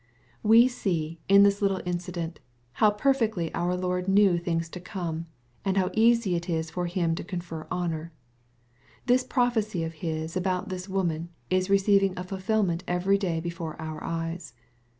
^'N We see, in this little incident, how perfectly our Lord knew things to come, and how easy it is for him to con fer hoDQr. This prophecy of His about this woman is receiving a fulfilment every day before our eyes.